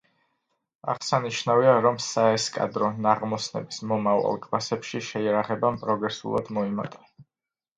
აღსანიშნავია, რომ საესკადრო ნაღმოსნების მომავალ კლასებში შეიარაღებამ პროგრესულად მოიმატა.